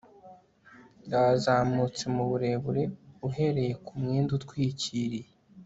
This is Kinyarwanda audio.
yazamutse mu burebure uhereye ku mwenda utwikiriye